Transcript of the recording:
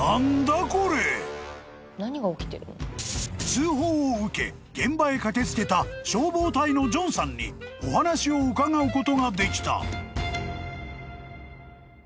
［通報を受け現場へ駆けつけた消防隊のジョンさんにお話を伺うことができた］